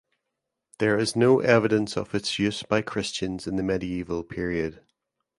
There is no evidence of its use by Christians in the medieval period.